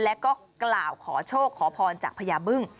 แล้วก็กล่าวขอโชคขอพรจากพญาบึ้ง